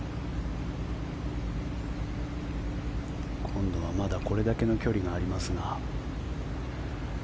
今度はまだこれだけの距離がありますが。